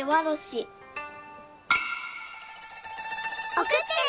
おくってね！